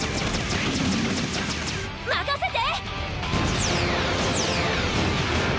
任せて！